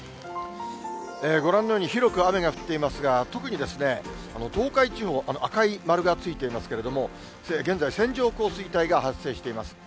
ご覧のように、広く雨が降っていますが、特に東海地方、赤い丸がついていますけれども、現在、線状降水帯が発生しています。